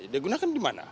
dia gunakan di mana